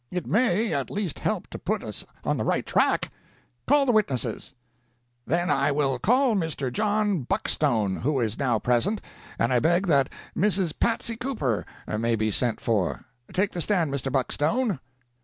It may at least help to put us on the right track. Call the witnesses." "Then I will call Mr. John Buckstone, who is now present, and I beg that Mrs. Patsy Cooper may be sent for. Take the stand, Mr. Buckstone."